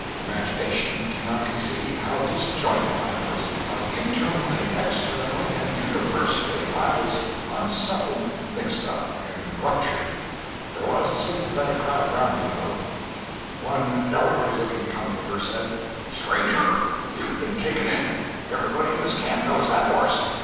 Imagination cannot conceive how disjointed I was—how internally, externally and universally I was unsettled, mixed up and ruptured. There was a sympathetic crowd around me, though. 181.jpg (38K) One elderly looking comforter said: "Stranger, you've been taken in. Everybody in this camp knows that horse.